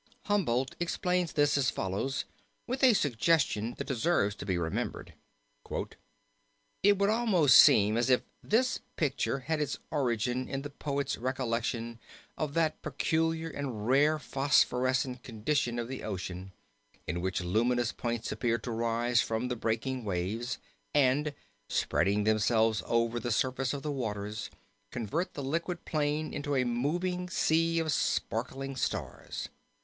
Humboldt explains this as follows, with a suggestion that deserves to be remembered. "It would almost seem as if this picture had its origin in the poet's recollection of that peculiar and rare phosphorescent condition of the ocean in which luminous points appear to rise from the breaking waves, and, spreading themselves over the surface of the waters, convert the liquid plain into a moving sea of sparkling stars."